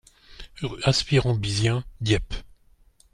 Rue Aspirant Bizien, Dieppe